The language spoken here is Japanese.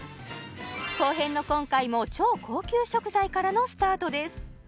後編の今回も超高級食材からのスタートです